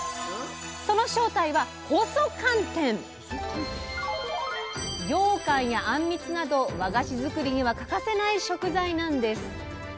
その正体はようかんやあんみつなど和菓子作りには欠かせない食材なんです。